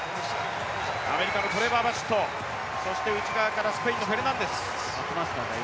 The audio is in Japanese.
アメリカのトレバー・バシット、それから内側からスペインのフェルナンデス。